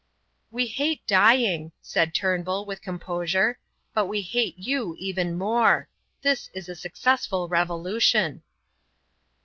"We hate dying," said Turnbull, with composure, "but we hate you even more. This is a successful revolution."